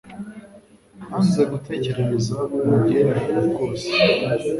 Nanze gutegereza mu gihirahiro rwose